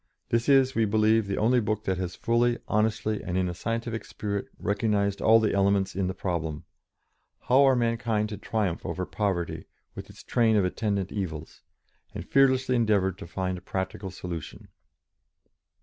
This is, we believe, the only book that has fully, honestly, and in a scientific spirit recognised all the elements in the problem How are mankind to triumph over poverty, with its train of attendant evils? and fearlessly endeavoured to find a practical solution."